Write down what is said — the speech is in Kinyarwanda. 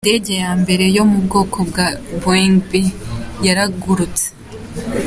Indege ya mbere yo mu bwoko bwa Boeing B- yaragurutse.